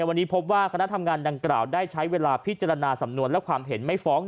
วันนี้พบว่าคณะทำงานดังกล่าวได้ใช้เวลาพิจารณาสำนวนและความเห็นไม่ฟ้อง